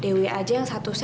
dewi aja yang satu siapa tuh